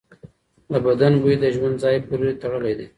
د بدن بوی د ژوند ځای پورې تړلی دی.